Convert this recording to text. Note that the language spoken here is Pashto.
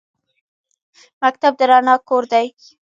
مکتب د رڼا کور دی